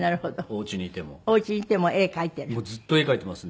おうちにいても絵描いている？